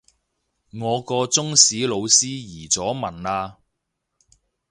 我個中史老師移咗民喇